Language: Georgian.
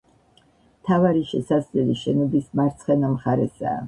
მთავარი შესასვლელი შენობის მარცხენა მხარესაა.